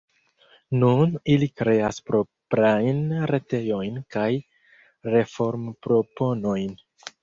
Nun ili kreas proprajn retejojn kaj reformproponojn.